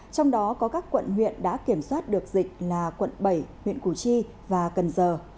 trong đó có các quận huyện đã kiểm soát được dịch là quận bảy huyện củ chi và cần giờ